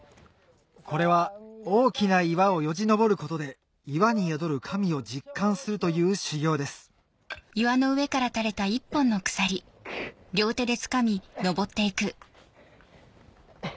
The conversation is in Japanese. これは大きな岩をよじ登ることで岩に宿る神を実感するという修行ですハァくっ！